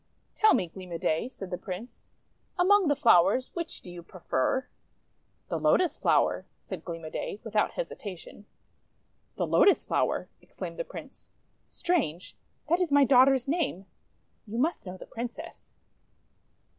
"Tell me, Gleam o' Day," said the Prince, >( among the flowers which do you prefer?' "The Lotus Flower," said Gleam o' Day, without hesitation. 'The Lotus Flower!'1 exclaimed the Prince. " Strange! That is my daughter's name! You must know the Princess."